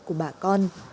của bà con